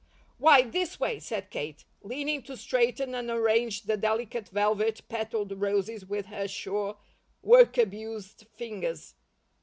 "Why, this way," said Kate, leaning to straighten and arrange the delicate velvet petalled roses with her sure, work abused fingers.